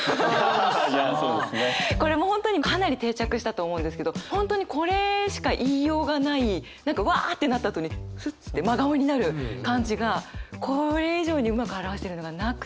これもう本当にかなり定着したと思うんですけど本当にこれしか言いようがない何かわってなったあとにフッて真顔になる感じがこれ以上にうまく表してるのがなくて。